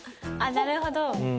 なるほど。